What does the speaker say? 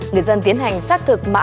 người dân tiến hành xác thực mã